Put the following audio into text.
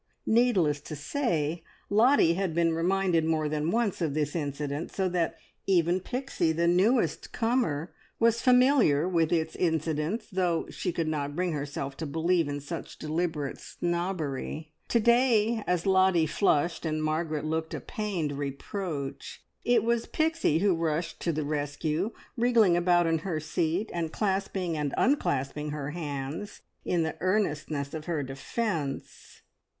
Needless to say, Lottie had been reminded more than once of this incident, so that even Pixie, the newest comer, was familiar with its incidents, though she could not bring herself to believe in such deliberate snobbery. To day, as Lottie flushed, and Margaret looked a pained reproach, it was Pixie who rushed to the rescue, wriggling about in her seat, and clasping and unclasping her hands in the earnestness of her defence.